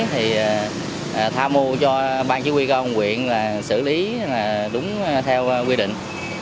thì tham mưu cho bang chí huy cơ huyện xử lý đúng theo quy định